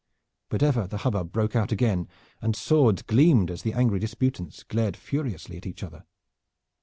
But ever the hubbub broke out again, and swords gleamed as the angry disputants glared furiously at each other.